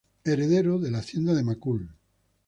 Heredero de la hacienda de Macul.